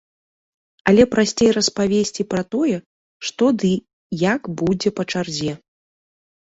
Але прасцей распавесці пра тое, што ды як будзе па чарзе.